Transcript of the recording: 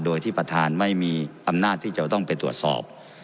โดยที่ประธานไม่มีอำนาจที่จะต้องไปตรวจสอบ